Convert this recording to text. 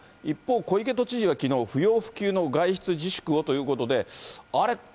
一方、小池都知事はきのう、不要不急の外出自粛をということで、あれ？